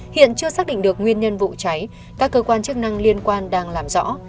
hiện chưa xác định được nguyên nhân vụ cháy các cơ quan chức năng liên quan đang làm rõ